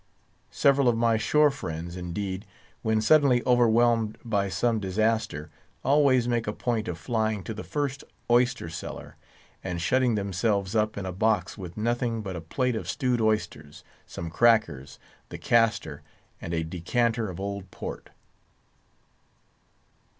Several of my shore friends, indeed, when suddenly overwhelmed by some disaster, always make a point of flying to the first oyster cellar, and shutting themselves up in a box with nothing but a plate of stewed oysters, some crackers, the castor, and a decanter of old port.